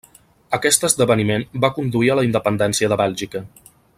Aquest esdeveniment va conduir a la independència de Bèlgica.